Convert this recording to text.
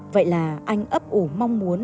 vậy là anh ấp ủ mong muốn